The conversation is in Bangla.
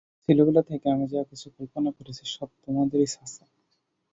ছেলেবেলা থেকে আমি যা-কিছু কল্পনা করেছি সব তোমাদেরই ছাঁচে।